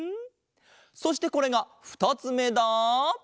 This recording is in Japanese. そしてこれがふたつめだ！